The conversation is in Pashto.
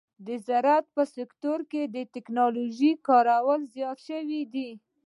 د زراعت په سکتور کې د ټکنالوژۍ کارول زیات شوي دي.